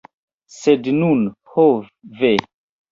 Sed nun, ho ve!